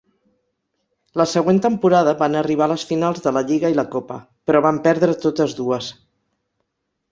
La següent temporada van arribar a les finals de la lliga i la copa, però van perdre totes dues.